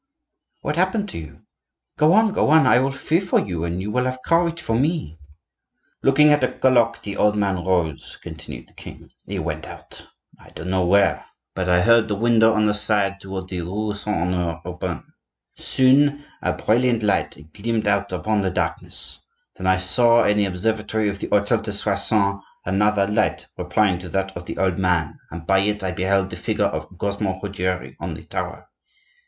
"I." "What happened to you? Go on, go on; I will fear for you, and you will have courage for me." "Looking at a clock, the old man rose," continued the king. "He went out, I don't know where; but I heard the window on the side toward the rue Saint Honore open. Soon a brilliant light gleamed out upon the darkness; then I saw in the observatory of the hotel de Soissons another light replying to that of the old man, and by it I beheld the figure of Cosmo Ruggiero on the tower.